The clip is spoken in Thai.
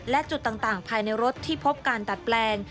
และจุดต่างภายในรถที่พบการดัดแปลง